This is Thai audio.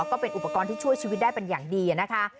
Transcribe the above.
ก็เป็นอุปกรณ์ที่ช่วยชีวิตได้เป็นอย่างดีนะคะ